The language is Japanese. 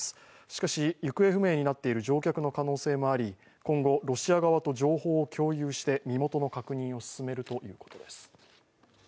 しかし行方不明になっている乗客の可能性もあり今後、ロシア側と情報を共有して身元の確認を進めるということです。